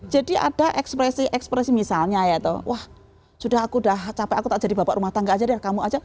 jadi ada ekspresi ekspresi misalnya ya tuh wah sudah aku udah capek aku tak jadi bapak rumah tangga aja deh kamu aja